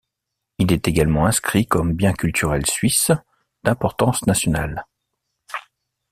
Il est également inscrit comme bien culturel suisse d'importance nationale.